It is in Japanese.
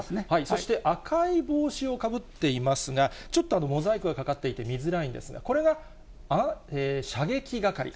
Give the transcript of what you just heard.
そして赤い帽子をかぶっていますが、ちょっとモザイクがかかっていて見づらいんですが、これが射撃係。